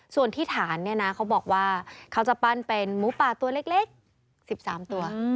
ส่วนที่ฐานเนี่ยนะเขาบอกว่าเขาจะปั้นเป็นหมูป่าตัวเล็ก๑๓ตัว